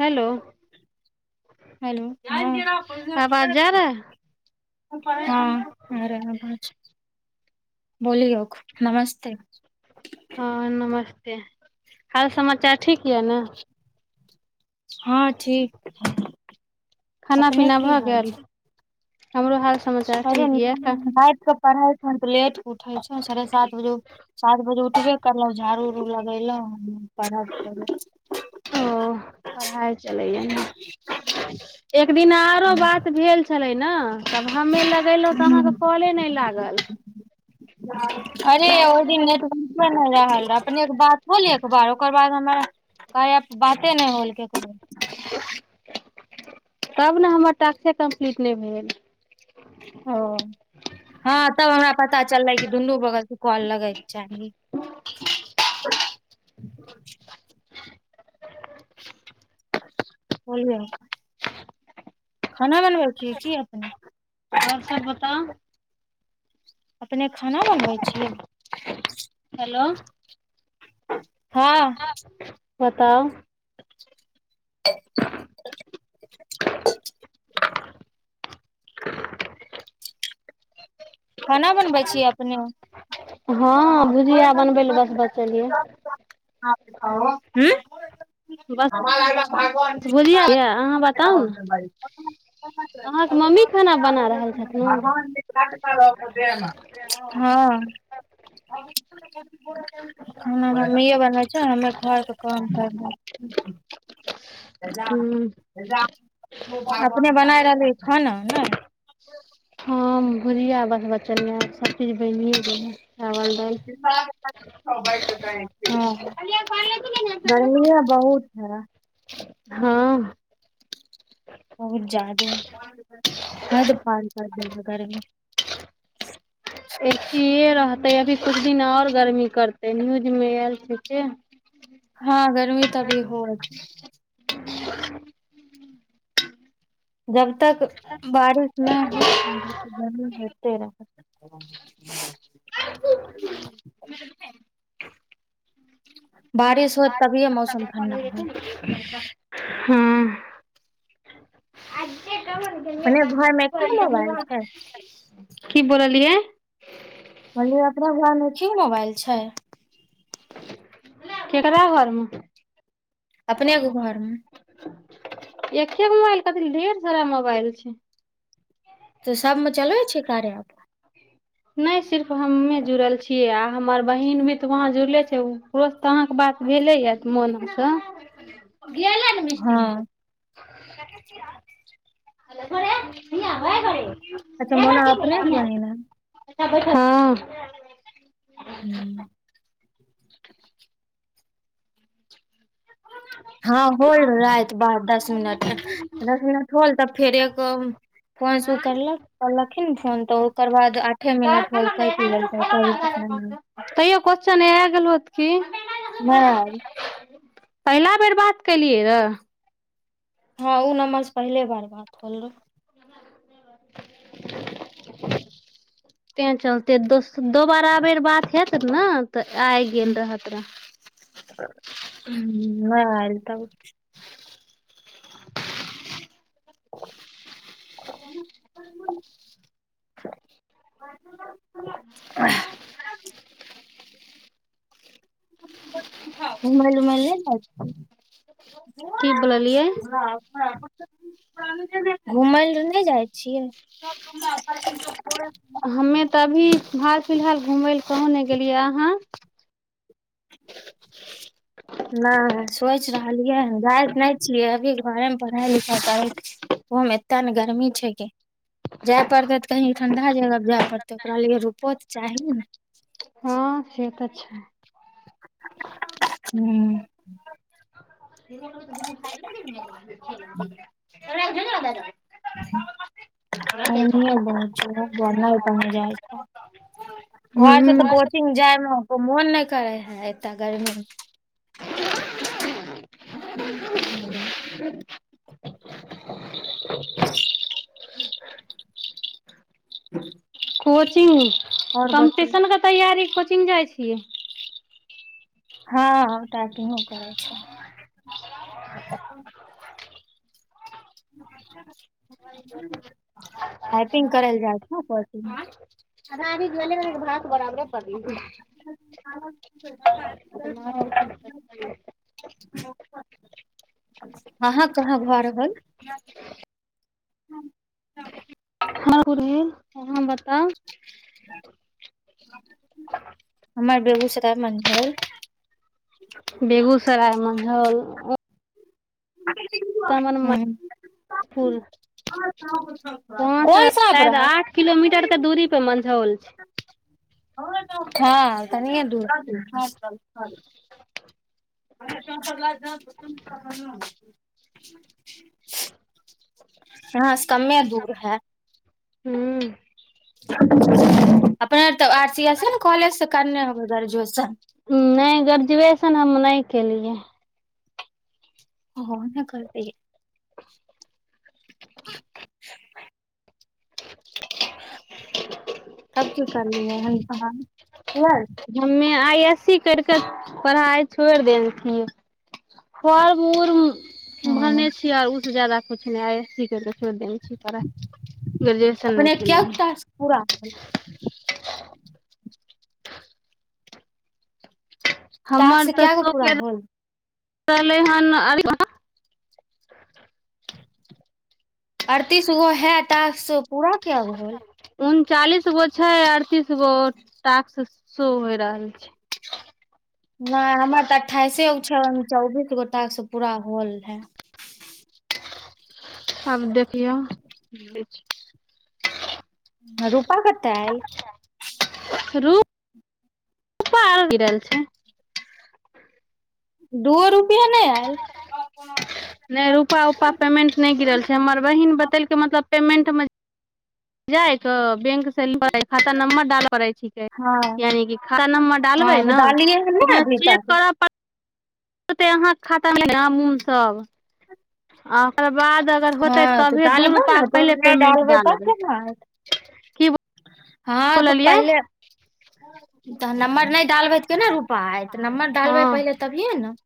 Hello! Hello आवाज जा रहा हँ। है हँ, आ रहा आवाज बोलियोक, नमस्ते! हँ नमस्ते! हाल समाचार ठीक यऽ न? हँ, ठीक। खाना- अपने पीना की भऽ हाल गेल, छै हमरो हाल समाचार ठीक या पढ़ाय कर के लेट के उठै छैय, साढ़े सात बजे चार बजे उठबे करलौ झाड़ू -उड़ू लगेैलौ पढाय करे ओ पढ़ाय चलैया ने। एक दिना आरो बात भेल छलै न तब हमे लग लगेलौ त आहाँके हम्म। काॅले नै लागल। नै रहल अपने के बात होल एक बार ओकर बाद हमर कार्याके बाते नै होल केकरो। तब न हमर टाक्से कम्प्लीट नैय भेल। ओ हँ तब हमरा पता चललै कि दुनू बगल के कॉल लगेै के चाही। बोलिये, खाना बनबै छियै कि अपने। और सब बताउ। अपने खाना बनबै छियै। हेलो। हँ। बताउ। [inaudible] [inaudible] खाना बनबै छियै अपने। हँ भुजिया बनबै लए बस बचल ये बस भुजिया यऽ अहाँ बताउ ने अहाँके मम्मी खाना बना रहल छथिन [unintelligible] [unintelligible] [unintelligible] हँ। खाना मम्मीये बनबै छैय हमे घरके काम करलौं। हू। अपने बनाय रहलियए खाना नै। हँ भुुजिया बनबऽ चललौं सभचीज बनिए गेलय। [unintelligible] गर्मीये बहुत सारा। हँ। बहुत जादे हद पार कर देलक गर्मी। एक चीज तैयो अभी कुछ दिन और गर्मी करतै न्यूजमे आयल छैय से। हँ गर्मी त अभी होय। जब तक बारिश नै होत न गर्मी होइते रहत। [inaudible] [unintelligible] बारिश होत तभिए मौसम ठण्डा होत। हँ। अपने घर मे एके गो मोबाइल छै की बोललियै। कहलियै अपना घरमे कि मोबाइल छैय। केकरा घरमे। एके अपने के घर मे गो मोबाइल कथि ले ढेर सारा मोबाइल छैय। त सबमे चलबै छियै कार्या एप। [inaudible] नै सिर्फ हम्मे जुड़ल छियै आ हमर बहिन भी तऽ वहां जुड़ले छै उ उहो से तऽ अहाँके बात भेले यै तै मोना से, गेलय नै मिस्टी हँ [unintelligible] अच्छा मोना अपने के बहिन है हां। हूं। हां होल राएत बात दस मिनट दस मिनट होल तब फेर एक फोन से उ करलक करलखिन्ह फोन तऽ ओकर बाद आ आठे मिनट होल कइट गेल रहय तब इधर नै भेल। कुछो नै आय गेलौह तै की नहि आयल पहिला बेर बात केलियै रह हां उ नम्बर से पहिले बार बात होल रहय। [inaudible] तैं चलते दोस दोबारा बेर बात हैत नै तऽ आय गेल रहत रहय हुं नै ऐल तब [inaudible] घूमय-उमय लै नै जाय की बोललियै छीयै? [unintelligible] घुमय लै नै जाय छियै। हम्मे तै अभी हाल फिलहाल घुमय लै कहु नै गेलियै अहाँ? [unintelligible] नै सोचि रहलियै हें जाए तै नै छियै अभी घरे मे पढ़ाइ-लिखाइ करय छीयै। उहो में एत्ता नै गरमी छै गै। जाय पड़तै तें कहीं ठंडा जगह पर जाय पड़ते ओकरा लिए रुपो तऽ चाही नै हां से तै छै। हूं। [unintelligible] हुं गर्मीए बहुत छो ओय दुआरें नै कही जाए छो। घर से तै हूँ कोच चिंग जाय मे मोन नै करय हें एतय गर्मी में अपना मन से नै रहय। कोचिंग आओर बतैयौ कम्पटिशन के तैयारी कोचिंग जाए छियै। हां पैकिंगो करय छै। पैकिंग करल लै जाए छै नै [unintelligible] अधा अभी जे एलय हें बात बराबरे परले। [unintelligible] पता यै। से मारय लागलय। [unintelligible] अहां कहाँ घर भेल। [unintelligible] अहां बताव ब हमर बेगूसराय मंझौल। बेगूसराय मंझौल अ ह [unintelligible] पुर वहां से कोन साँप शायद रहै आठ किलोमीटर के दूरी पर मंझौल छै। हँ तकिये दूर [inaudible] [unintelligible] हू। अपने त आर- सीएसे ने कॉलेज से करने हेबय ग्रैजुएशन। नै ग्रेजुएशन हम नै केलियै। ओहो नै कर [unintelligible] तब कियो करलिये है [unintelligible] आइ-एस-सी करिके पढ़ाई छोइड़ देेल छियै, फार्म उड़ हँ भरने छियै आउ जादा कुछ नै आइ- एस-सी कऽ के छोइड़ देने छी पढ़ाई, ग्रेजुएशन नै अपने क्या गो केलियै। टास्क पूरा करू। हमर टास्क त क्या गो पूरा शौके होल रहलै हन अड़तीसगो है टास्क सो पूरा कै गो होल। उनचालीस गो छैय अड़तीस गो टास्क शो होय रहल छैय। नै हमर त अठाईसेगो छैय चौबीस गो टास्क पूरा होल है। आब देखियौ। रूपा कता आयल। रू-पा आबि रहल छैय। दूओ रुपया नय आयल। नै रूपा- उपा पेमेंट नै गिरल छैय हमर बहिन बतेलकै मतलब पेमेंट मे जाय क बैंक खाता नम्बर डालऽ रहै छिकै हँ यानि कि खाता नम्बर हँ डालबै तऽ न डालियै हन ने ओमे अभी चेक तक करऽ पर ओते अहाँ खातामे [unintelligible] सब। आ ओकर बाद अगर होतै हँ तऽ तबे दू रुपाके पहिले पेमेंट डालबै। आ। की अहाँके बोललियै पहिले तहन नम्बर नै डालबे केना रुपा ऐत नम्बर हँ डालबै पहिले तभिये ने,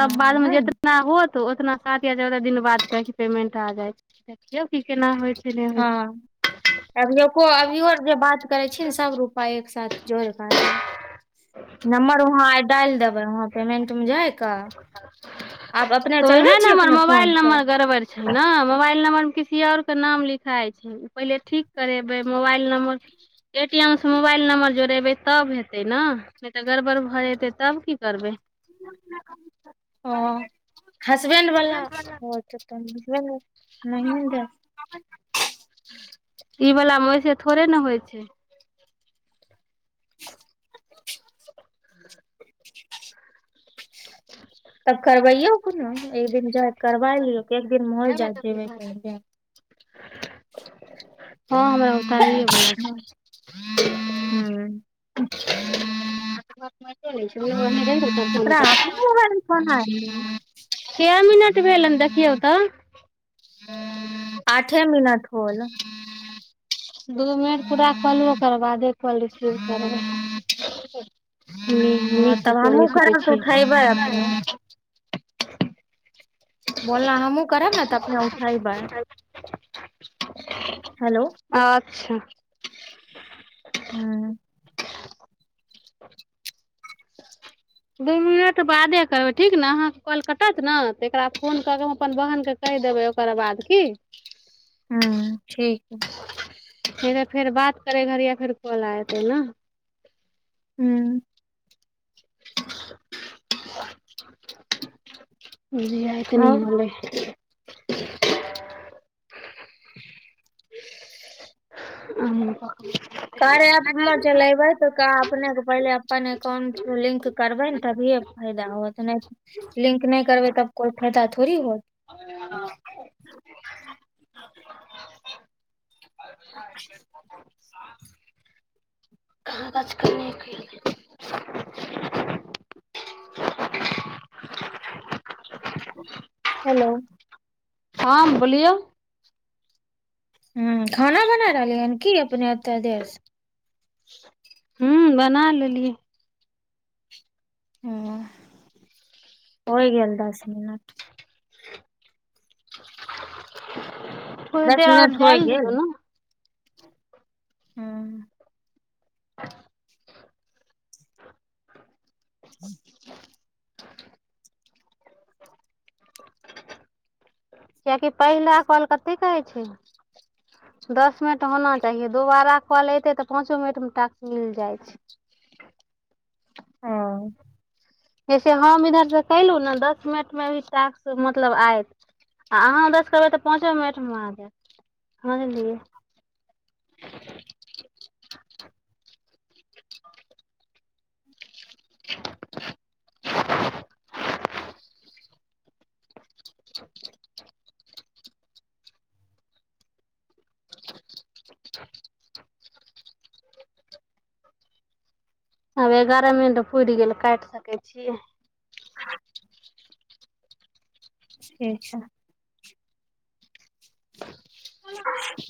हँ ओहे ने। उतना होत उतना सात या चौदह दिन बाद कहीं पेमेन्ट आ जाइ ज्योति के नाम हँ अभियोको अभियो जे बात करै छी ने सब पाई एक सााथ जोड़ क आ जैत, नम्बर वहां आइ डाल देबै हम। पेमेंट मे जाइकऽ आब अपने तऽ चलबै उएह ने छियै हमर अपने फोन मोबाइल स। नम्बर गड़बड़ छैय न मोबाइल नंबर मे किसी और के नाम लिखाई छैय। पहिले ठीक करेबै मोबाइल नम्बर ए-टी-एम से मोबाइल नंबर जोड़ेबै तब हेतै न ने त गड़बड़ भ जेतै तब की। करबै। ओ हसबैंड बला [unintelligible] इ बलामे ओइसे थोड़े ने होइ छैय। तब करबैयौ कोनो एक दिन जा करबाय लियौ। एक दिन मौल जाके। [unintelligible] हँ हमरा ओगताईए बला छैय। हुं। एकरा त मारितो रहे तोरा छै अपने मोबाइल मे फोन आयल रहौ [unintelligible] कैय मिनट भेलैन देखियौ तऽ। आठे मिनट। होल ह। दू मिनट पूरा कऽ लिय ओकर बादे कॉल रिसीव करबैय। हु हँ मिसु तब के हमहूँ मिसु के करब तऽ छै उठेबै अपने खाली। बोलना हमू करेब ने त अपने उठयबय। हेलोउ। अच्छा। हूँ। किछु बुझाइत नहि। ह। दू मिनट बादे करबै ठीक ने अहाँके कॉल कटत ना तकरा फोन क क हम अपन बहनके कैह देबै ओकर बात की। हूँ ठीक। नय त फेर बात करै घरि फेर कॉल आयत ना। हूँ। जहिया एतनी और भेलै। [inaudible] [unintelligible] अपनेसे पहिले अपन एकाउंट से लिंक करबै ने तभिए फायदा होत नहि त लिंक नहि करबै तब कोइ फायदा थोड़ी होत। [inaudible] भइ। ह। कहाँ तऽ आजकल [unintelligible] हेलोउ। हाँ बोलियो। हम्म खाना बना रहलियै हें कि अपने एते देर से। हूॅं बना लेलिये। हूॅं होइ गेल दस मिनट। कुछ दस देर और मिनट होइ जैल गेल दियऔ ना। हुम्म। कियाकि पहिला काॅल कतेक के होइ छै? दस मिनट होना चाहीये दोबारा काॅल एतै तऽ पाँचो मिनटमे टास्क मिल जाइ छै। हँ। जैसे हम इधर से केलहु ने दस मिनट मे टास्क मतलब आयत। आ अहाँ उधर से करबै तऽ पाँचो मिनट मे आ जायत बुझलियै। आब एगारह मिनट पूरि गेल काइट सकै छि। ठीक छै। [inaudible] [unintelligible]